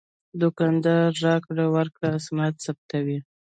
دوکاندار د راکړې ورکړې اسناد ثبتوي.